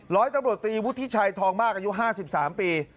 ร้อยตำรวจตีวุฒิชัยทองมากอายุ๕๓ปี